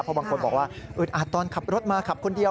เพราะบางคนบอกว่าอึดอัดตอนขับรถมาขับคนเดียว